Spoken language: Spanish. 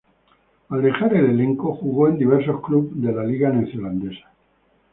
Al dejar el elenco, jugó en diversos clubes de la liga neozelandesa.